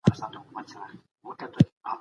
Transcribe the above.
دا کار د څېړني اعتبار ته زیان رسوي.